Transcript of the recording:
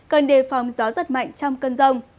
cần đề phòng gió rất mạnh trong cơn rông